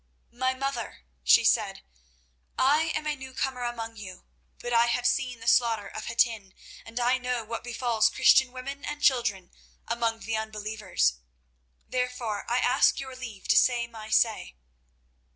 "My Mother," she said, "I am a newcomer among you, but I have seen the slaughter of Hattin, and I know what befalls Christian women and children among the unbelievers. Therefore I ask your leave to say my say."